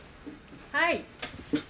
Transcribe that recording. はい。